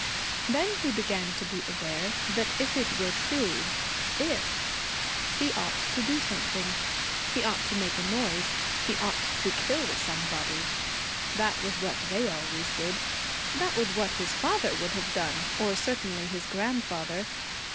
Then he began to be aware that if it were true if! he ought to do something. He ought to make a noise. He ought to kill somebody. That was what they always did. That was what his father would have done or certainly his grandfather.